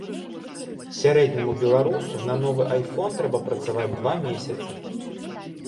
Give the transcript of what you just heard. Сярэдняму беларусу на новы айфон трэба працаваць два месяцы.